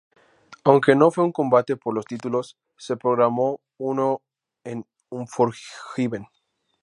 Aunque no fue un combate por los títulos, se programó uno en Unforgiven.